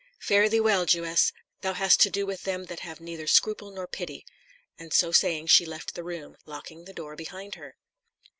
Fare thee well, Jewess! thou hast to do with them that have neither scruple nor pity." And so saying she left the room, locking the door behind her.